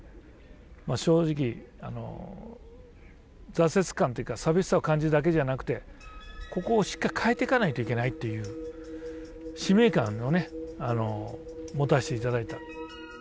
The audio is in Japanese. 正直挫折感っていうか寂しさを感じるだけでなくてここをしっかり変えていかないといけないという使命感を持たせていただいた。